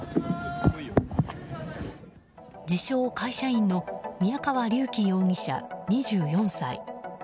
自称・会社員の宮川隆輝容疑者、２４歳。